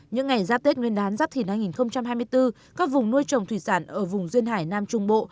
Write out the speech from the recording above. những ngày giáp tết nguyên đán giáp thìn hai nghìn hai mươi bốn các vùng nuôi trồng thủy sản ở vùng duyên hải nam trung bộ